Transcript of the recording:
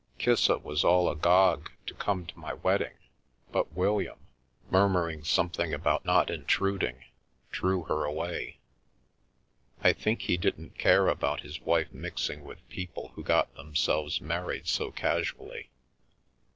Kissa was all agog to come to my wedding, but William, murmuring something about " not intrud ing," drew her away. I think he didn't care about his wife mixing with people who got themselves married so casually.